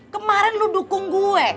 kemarin lu dukung gue